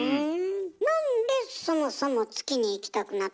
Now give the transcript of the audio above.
なんでそもそも月に行きたくなったの？